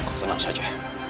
kau tenang saja